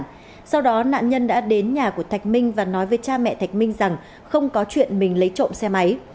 sau đó nạn nhân đã đến nhà của thạch minh và nói với cha mẹ thạch minh rằng không có chuyện mình lấy trộm xe máy